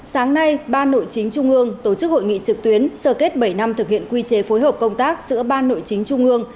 sáng nay ban nội chính trung ương tổ chức hội nghị trực tuyến sở kết bảy năm thực hiện quy chế phối hợp công tác giữa ban nội chính trung ương